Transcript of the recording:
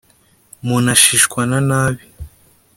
Munashishwa na nabi